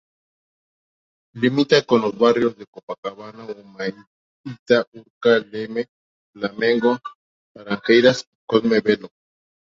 Limita con los barrios de Copacabana, Humaitá, Urca, Leme, Flamengo, Laranjeiras y Cosme Velho.